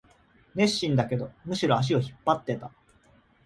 熱心だけど、むしろ足を引っ張ってた